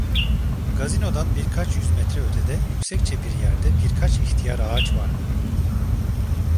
Gazinodan birkaç yüz metre ötede, yüksekçe bir yerde, birkaç ihtiyar ağaç vardı.